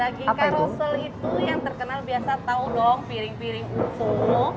daging karusel itu yang terkenal biasa tau dong piring piring usuk